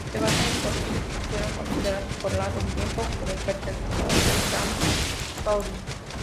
Se basa en fósiles que fueron considerados por largo tiempo como pertenecientes a "Chasmosaurus".